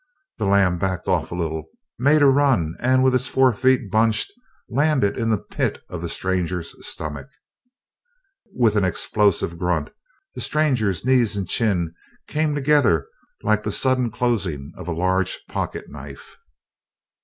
The lamb backed off a little, made a run, and with its four feet bunched, landed in the pit of the stranger's stomach. With an explosive grunt, the stranger's knees and chin came together like the sudden closing of a large pocket knife.